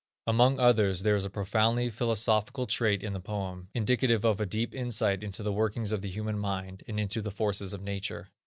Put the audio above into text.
Among others, there is a profoundly philosophical trait in the poem, indicative of a deep insight into the workings of the human mind, and into the forces of nature.